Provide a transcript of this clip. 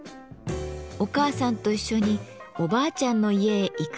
お母さんと一緒におばあちゃんの家へ行く途中。